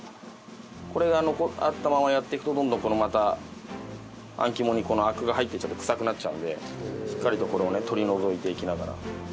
これがあったままやっていくとどんどんまたあん肝にこのアクが入っていっちゃって臭くなっちゃうんでしっかりとこれを取り除いていきながら。